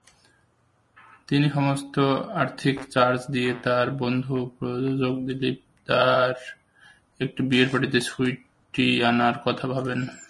তিনি সমস্ত আর্থিক চার্জ দিয়ে তার বন্ধু প্রযোজক দিলীপ দা-র একটি বিয়ের পার্টিতে সুইটি আনার কথা ভাবেন।